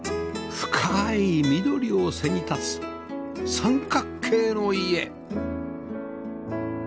深い緑を背に立つ三角形の家